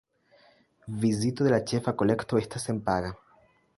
Vizito de la ĉefa kolekto estas senpaga.